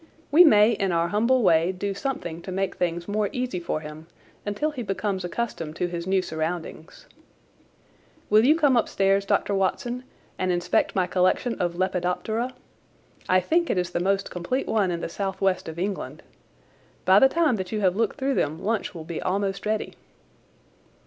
We may in our humble way do something to make things more easy for him until he becomes accustomed to his new surroundings. Will you come upstairs, Dr. Watson, and inspect my collection of Lepidoptera? I think it is the most complete one in the south west of England. By the time that you have looked through them lunch will be almost ready."